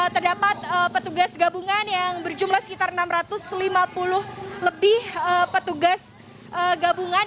terdapat petugas gabungan yang berjumlah sekitar enam ratus lima puluh lebih petugas gabungan